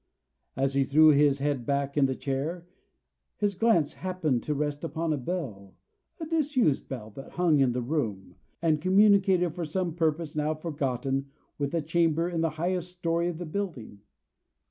As he threw his head back in the chair, his glance happened to rest upon a bell, a disused bell, that hung in the room, and communicated for some purpose now forgotten with a chamber in the highest story of the building.